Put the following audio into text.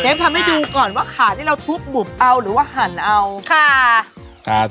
เชฟทำให้ดูก่อนว่าขาที่เราทุบบุบเอาหรือว่าหั่นเอา